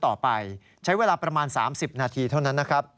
ต่อไปใช้เวลาประมาณ๓๐นาทีเท่านั้นนะครับ